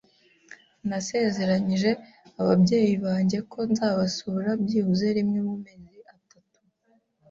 Nasezeranije ababyeyi banjye ko nzabasura byibuze rimwe mu mezi atatu.